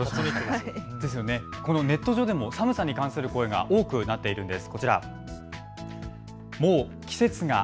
ネット上でも寒さに関する声が多く上がっているんです。